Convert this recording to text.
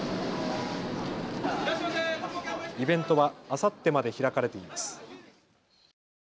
イベントはあさってまで開かれています。